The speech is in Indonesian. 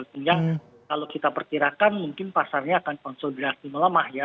sehingga kalau kita perkirakan mungkin pasarnya akan konsolidasi melemah ya